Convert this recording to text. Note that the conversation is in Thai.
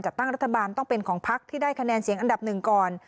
ตั้งรัฐบาลต้องเป็นของพักที่ได้คะแนนเสียงอันดับหนึ่งก่อน